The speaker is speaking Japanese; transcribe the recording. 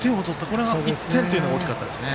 この１点というのが大きかったですね。